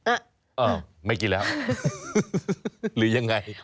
อ้าวไม่กินแล้วหรือยังไง